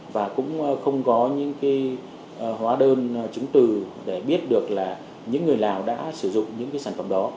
và cũng không có những hóa đơn chứng từ để biết được là những người lào đã sử dụng những cái sản phẩm đó